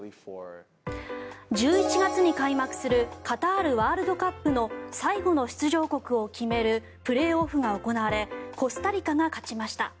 １１月に開幕するカタールワールドカップの最後の出場国を決めるプレーオフが行われコスタリカが勝ちました。